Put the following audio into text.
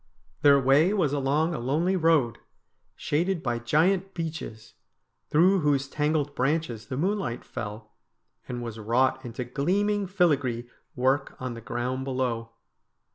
Their way was along a lonely road, shaded by giant beeches, through whose tangled branches the moonlight fell, and was wrought into gleaming filagree work on the ground below.